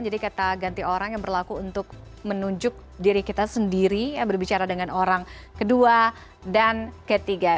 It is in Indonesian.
jadi kata ganti orang yang berlaku untuk menunjuk diri kita sendiri berbicara dengan orang kedua dan ketiga